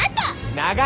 長い。